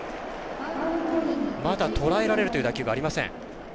まだ、とらえられるという打球がありません。